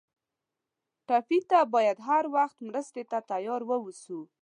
ټپي ته باید هر وخت مرستې ته تیار ووسو.